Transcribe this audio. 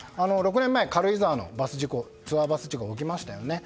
６年前に軽井沢のツアーバス事故が起きましたよね。